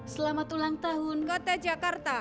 selamat ulang tahun kota jakarta